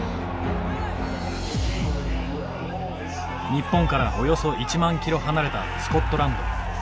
日本からおよそ１万キロ離れたスコットランド。